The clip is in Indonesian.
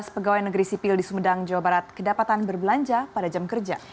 lima belas pegawai negeri sipil di sumedang jawa barat kedapatan berbelanja pada jam kerja